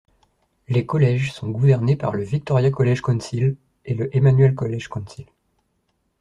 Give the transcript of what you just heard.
Les colleges sont gouvernés par le Victoria College Council et le Emmanuel College Council.